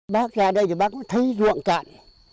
bác ra đây thì bác thấy ruộng cạn